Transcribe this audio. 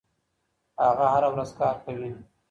هغه هره ورځ کار کوي.